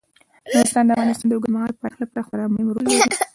نورستان د افغانستان د اوږدمهاله پایښت لپاره خورا مهم رول لري.